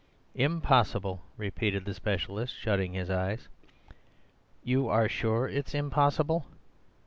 "Impossible," repeated the specialist, shutting his eyes. "You are sure it's impossible?"